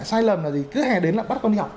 sai lầm là gì cứ hè đến là bắt con học